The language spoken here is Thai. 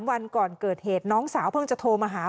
วันก่อนเกิดเหตุน้องสาวเพิ่งจะโทรมาหา